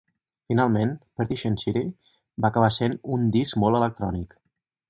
Finalment, "Perdition City" va acabar sent un disc molt electrònic.